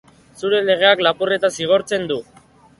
Zure legeak lapurreta zigortzen du.